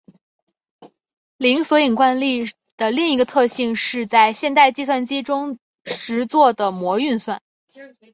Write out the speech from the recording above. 零索引惯例的另一个特性是在现代计算机中实作的模运算。